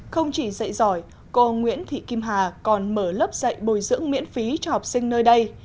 không chỉ dạy giỏi cô nguyễn thị kim hà còn mở lớp dạy bồi dưỡng miễn phí cho học sinh nơi đây